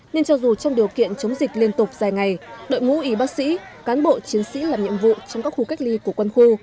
nên cho dù trong điều kiện chống dịch liên tục dài ngày đội ngũ y bác sĩ cán bộ chiến sĩ làm nhiệm vụ trong các khu cách ly của quân khu